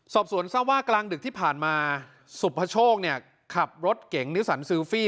สอบสวนทราบว่ากลางดึกที่ผ่านมาสุภโชคเนี่ยขับรถเก่งนิสันซิลฟี่